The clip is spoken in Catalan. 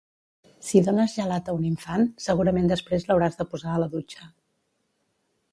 Si dones gelat a un infant, segurament després l'hauràs de posar a la dutxa.